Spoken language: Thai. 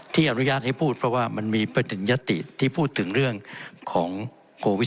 อนุญาตให้พูดเพราะว่ามันมีไปถึงยติที่พูดถึงเรื่องของโควิด